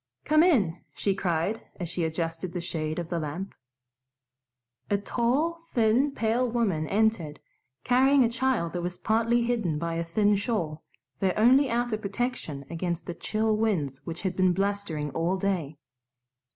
"Come in!" she cried, as she adjusted the shade of the lamp. A tall, thin, pale woman entered, carrying a child that was partly hidden by a thin shawl, their only outer protection against the chill winds which had been blustering all day.